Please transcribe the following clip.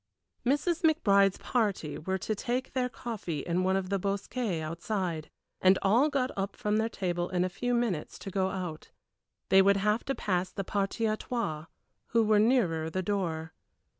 Mrs. McBride's party were to take their coffee in one of the bosquets outside, and all got up from their table in a few minutes to go out. They would have to pass the partie à trois, who were nearer the door.